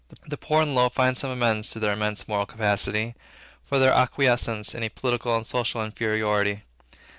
The poor and the low find some amends to their immense moral capacity, for their acquiescence in a political and social inferiority.